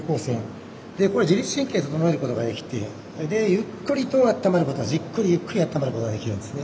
これは自律神経整えることができてでゆっくりとあったまることじっくりゆっくりあったまることができるんですね。